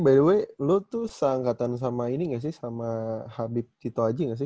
eh berarti btw lu tuh seangkatan sama ini gak sih sama habib tito aji gak sih